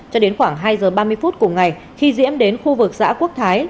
cho đến khoảng hai giờ ba mươi phút cùng ngày khi diễm đến khu vực xã quốc thái